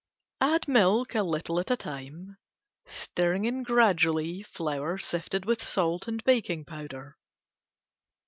Add milk little at a time, stirring in gradually flour sifted with salt and baking powder.